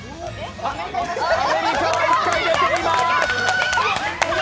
アメリカは１回出ています。